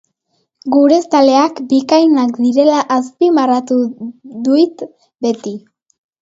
Gure zaleak bikainak direla azpimarratu duit beti.